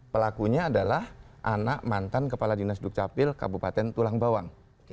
pelakunya adalah anak mantan kepala dinas dukcapil kabupaten tulang bawang